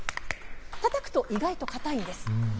たたくと意外と硬いんです。